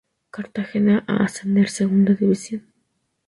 Cartagena a ascender a Segunda división.